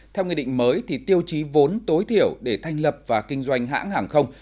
theo nghị định mới thì tiêu chí vốn tối thiểu để thành lập và kinh doanh hãng hàng không